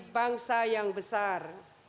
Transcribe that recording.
bangsa yang besar